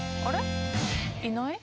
いない？